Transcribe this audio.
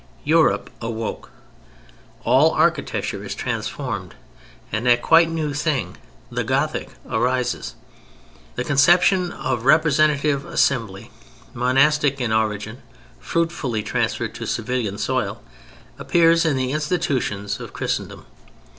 Europe awoke. All architecture is transformed, and that quite new thing, the Gothic, arises. The conception of representative assembly, monastic in origin, fruitfully transferred to civilian soil, appears in the institutions of Christendom.